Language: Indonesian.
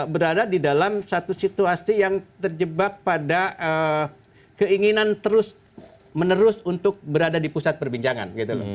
berada di dalam satu situasi yang terjebak pada keinginan terus menerus untuk berada di pusat perbincangan gitu loh